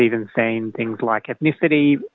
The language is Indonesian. kita juga melihat hal hal seperti etnisitas